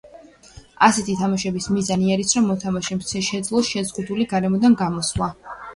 ასეთი თამაშების მიზანი არის რომ მოთამაშემ შესძლოს შეზღუდული გარემოდან გამოსვლა.